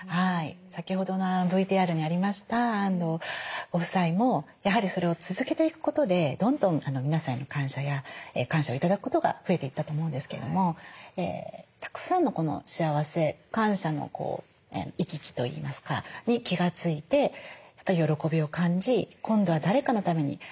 先ほどのＶＴＲにありました安藤ご夫妻もやはりそれを続けていくことでどんどん皆さんへの感謝や感謝を頂くことが増えていったと思うんですけれどもたくさんのこの幸せ感謝の行き来といいますかに気が付いてやっぱり喜びを感じ今度は誰かのために。